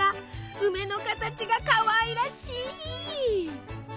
梅の形がかわいらしい！